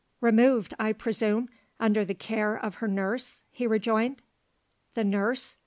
"Removed, I presume, under the care of her nurse?" he rejoined. The nurse?